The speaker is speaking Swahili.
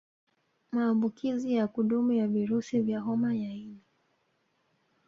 Maambukizi ya kudumu ya virusi vya Homa ya ini